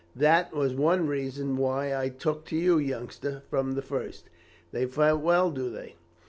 That was one reason why I took to you, youngster, from the first." "They fight well, do they?"